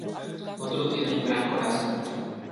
Otro tiene un gran corazón.